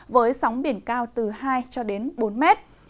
với sóng biển cao từ hai cho đến bốn mét